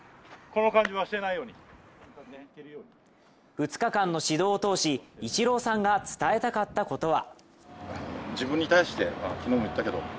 ２日間の指導を通しイチローさんが伝えたかったことは。